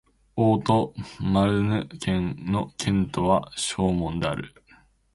オート＝マルヌ県の県都はショーモンである